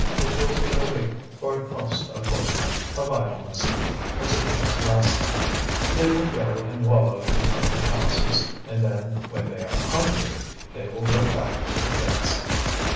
It will be a week, or, at most, a fortnight, of idleness, as it was last time. They will go and wallow in the public houses, and then, when they are hungry, they will go back to the pits."